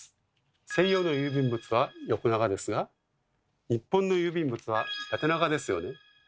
西洋の郵便物は横長ですが日本の郵便物は縦長ですよね？